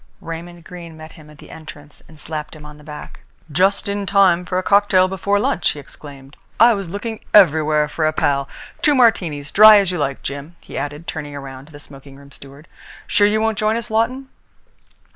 Raymond Greene met him at the entrance and slapped him on the back: "Just in time for a cocktail before lunch!" he exclaimed. "I was looking everywhere for a pal. Two Martinis, dry as you like, Jim," he added, turning round to the smoking room steward. "Sure you won't join us, Lawton?"